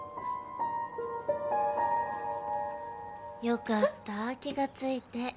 よかった気がついて。